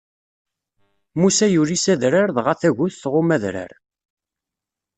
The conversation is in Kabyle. Musa yuli s adrar, dɣa tagut tɣumm adrar.